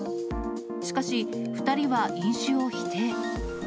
しかし、２人は飲酒を否定。